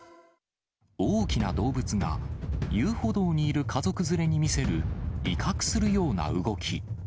大きな動物が遊歩道にいる家族連れに見せる、威嚇するような動き。